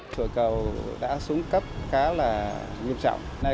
chùa cầu đã xuống cấp khá là nghiêm trọng